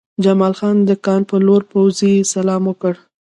جمال خان د کان په لور پوځي سلام وکړ